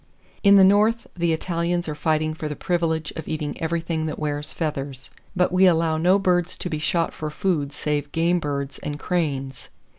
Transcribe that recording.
In the North, the Italians are fighting for the privilege of eating everything that wears feathers; but we allow no birds to be shot for food save game birds and cranes.